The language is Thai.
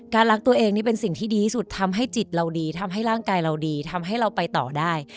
รักตัวเองนี่เป็นสิ่งที่ดีที่สุดทำให้จิตเราดีทำให้ร่างกายเราดีทำให้เราไปต่อได้